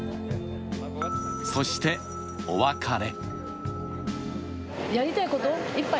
そして、お別れ。